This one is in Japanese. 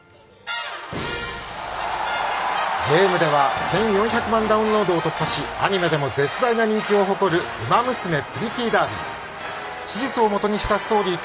ゲームでは１４００万ダウンロードを突破し、アニメでも絶大な人気を誇る「ウマ娘プリティーダービー」。